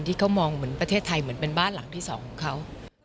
ที่เขามองเหมือนประเทศไทยเหมือนเป็นบ้านหลังที่สองของเขา